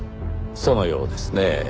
そのようですねぇ。